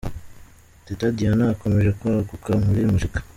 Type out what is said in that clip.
Teta Diana akomeje kwaguka muri muzika